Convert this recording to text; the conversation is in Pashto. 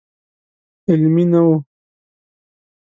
علمي نه و.